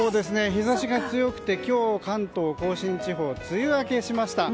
日差しが強くて、今日関東・甲信地方は梅雨明けしました。